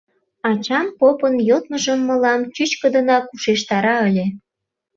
Ачам попын йодмыжым мылам чӱчкыдынак ушештара ыле.